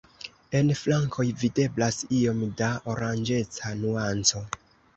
En flankoj videblas iom da oranĝeca nuanco.